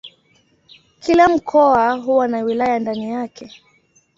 Kila mkoa huwa na wilaya ndani yake.